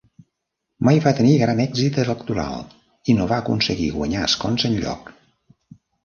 Mai va tenir gran èxit electoral i no va aconseguir guanyar escons enlloc.